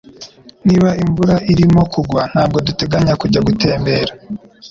Niba imvura irimo kugwa ntabwo duteganya kujya gutembera